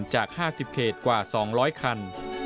จากห้าสิบเขตกว่าสองร้อยคัน